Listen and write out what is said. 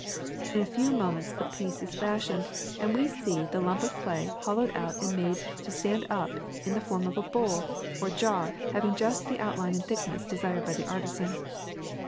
In a few moments the piece is fashioned, and we see the lump of clay hollowed out and made to stand up in the form of a bowl or jar having just the outline and thickness desired by the artisan.